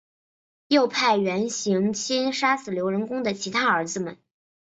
又派元行钦杀死刘仁恭的其他儿子们。